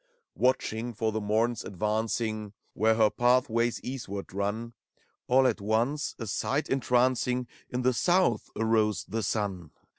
Watching for the Mom's advancing Where her pathways eastward run. All at once, a sight entrancing, In the South arose the sun.